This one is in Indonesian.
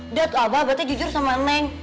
udah tuh abah abah tuh jujur sama neng